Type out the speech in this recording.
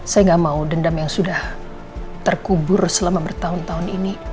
saya nggak mau dendam yang sudah terkubur selama bertahun tahun ini